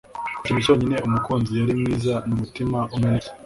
ikintu cyonyine umukunzi yari mwiza ni umutima umenetse